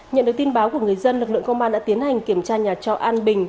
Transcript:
nhận được tin báo của người dân lực lượng công an đã tiến hành kiểm tra nhà trọ an bình